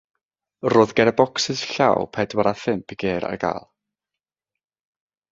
Roedd gerbocsys 'llaw' pedwar a phump gêr ar gael.